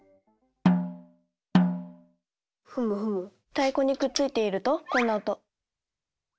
太鼓にくっついているとこんな音。